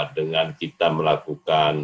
dengan kita melakukan